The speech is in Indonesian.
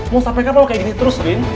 mau sampe kapan lo kayak gini terus rin